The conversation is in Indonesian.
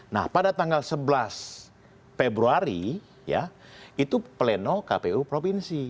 nah pada tanggal sebelas februari ya itu pleno kpu provinsi